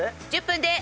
１０分で。